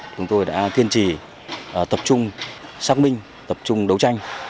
chúng tôi đã kiên trì tập trung xác minh tập trung đấu tranh